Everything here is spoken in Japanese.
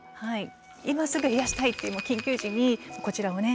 今すぐ冷やしたいっていう緊急時にこちらをね